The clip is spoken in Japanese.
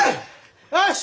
よし！